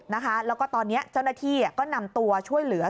แล้วก็ตอนนี้เจ้าหน้าที่ก็นำตัวช่วยเหลือ